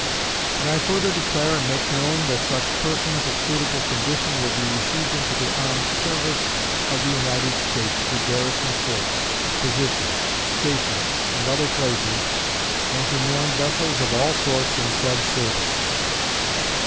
And I further declare and make known that such persons, of suitable condition, will be received into the armed service of the United States to garrison forts, positions, stations, and other places, and to man vessels of all sorts in said service.